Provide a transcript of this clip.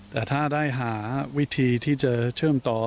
แต่ถ้าได้หาวิธีที่จะเชื่อมต่อ